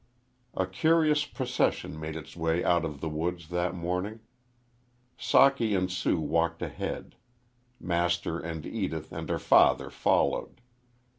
A curious procession made its way out of the woods that morning. Socky and Sue walked ahead. Master and Edith and her father followed.